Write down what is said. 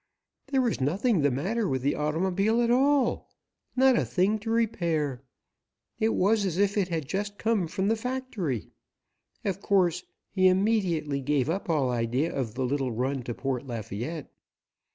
There was nothing the matter with the automobile at all. Not a thing to repair. It was as if it had just come from the factory. Of course he immediately gave up all idea of the little run to Port Lafayette.